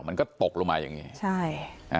มันก็ตกลงมาอย่างนี้ใช่